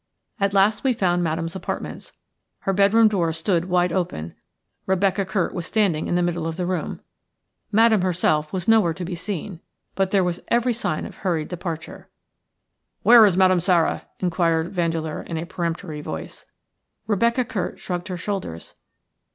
At last we found Madame's apartments. Her bedroom door stood wide open. Rebecca Curt was standing in the middle of the room. Madame herself was nowhere to be seen, but there was every sign of hurried departure. "REBECCA CURT WAS STANDING IN THE MIDDLE OF THE ROOM." "Where is Madame Sara?" inquired Vandeleur, in a peremptory voice. Rebecca Curt shrugged her shoulders.